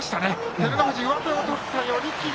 照ノ富士、上手を取って寄り切り。